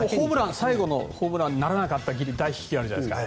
最後のホームランにならなかった大飛球あるじゃないですか。